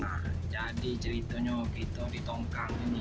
jadi ceritanya begitu ditongkang ini